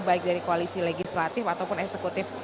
baik dari koalisi legislatif ataupun eksekutif